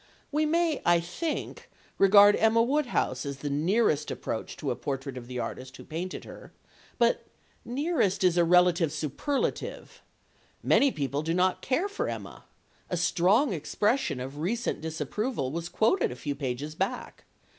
We may, I think, regard Emma Woodhouse as the nearest approach to a portrait of the artist who painted her, but "nearest" is a relative superlative. Many people do not care for Emma. A strong expression of recent disapproval was quoted a few pages back.